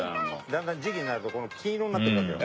だんだん時期になると金色になっていくわけよ。